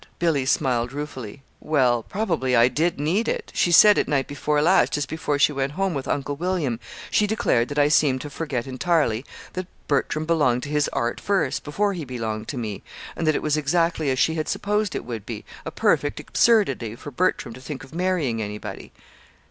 Billy smiled ruefully. "Well, probably I did need it. She said it night before last just before she went home with Uncle William. She declared that I seemed to forget entirely that Bertram belonged to his Art first, before he belonged to me; and that it was exactly as she had supposed it would be a perfect absurdity for Bertram to think of marrying anybody."